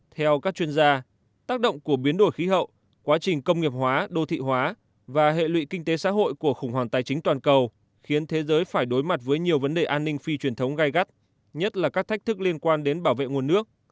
theo các chuyên gia tác động của biến đổi khí hậu quá trình công nghiệp hóa đô thị hóa và hệ lụy kinh tế xã hội của khủng hoảng tài chính toàn cầu khiến thế giới phải đối mặt với nhiều vấn đề an ninh phi truyền thống gai gắt nhất là các thách thức liên quan đến bảo vệ nguồn nước